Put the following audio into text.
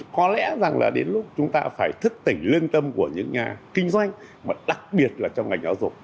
có lẽ rằng là đến lúc chúng ta phải thức tỉnh lương tâm của những nhà kinh doanh mà đặc biệt là trong ngành giáo dục